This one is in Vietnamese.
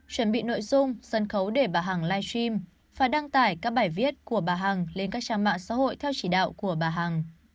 chuẩn bị nội dung sân khấu để bà hằng live stream và đăng tải các bài viết của bà hằng lên các trang mạng xã hội theo chỉ đạo của bà hằng